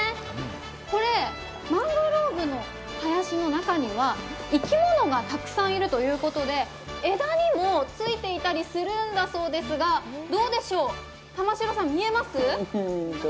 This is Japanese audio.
これ、マングローブの林の中には生き物がたくさんいるということで枝にもついていたりするんだそうですがどうでしょう、玉城さん、見えます？